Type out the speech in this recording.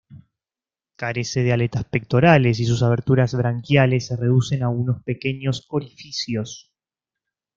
Carece de aletas pectorales y sus aberturas branquiales se reducen a unos pequeños orificios.